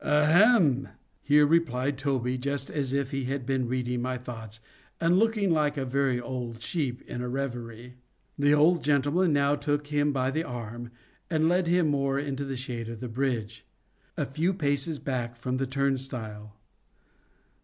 "Ahem!" here replied Toby, just as if he had been reading my thoughts, and looking like a very old sheep in a revery. The old gentleman now took him by the arm, and led him more into the shade of the bridge—a few paces back from the turnstile.